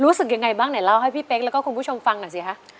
รู้สึกยังไงบ้างไหนเล่าให้พี่เป๊กแล้วก็คุณผู้ชมฟังหน่อยสิคะ